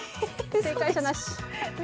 正解者なし。